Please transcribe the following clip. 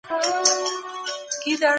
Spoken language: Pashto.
تاسو خپل مالونه په سمه توګه مصرف کړئ.